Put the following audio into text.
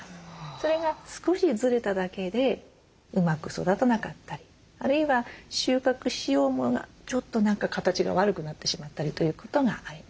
それが少しずれただけでうまく育たなかったりあるいは収穫しようものがちょっと何か形が悪くなってしまったりということがあります。